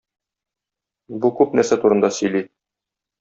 Бу күп нәрсә турында сөйли.